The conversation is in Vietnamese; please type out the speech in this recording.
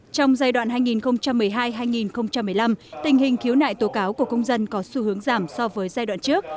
trong giai đoạn hai nghìn một mươi hai hai nghìn một mươi năm tình hình khiếu nại tố cáo của công dân có xu hướng giảm so với giai đoạn trước